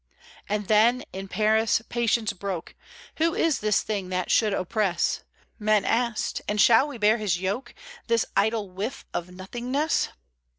And then, in Paris, patience broke; "Who is this thing that should oppress?" Men asked: "And shall we bear his yoke. This idle whiff of nothingness?"